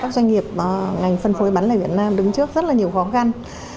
các doanh nghiệp ngành phân phối bán lẻ việt nam đứng trước rất là nhiều khó khăn